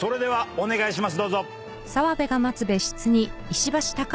お願いします。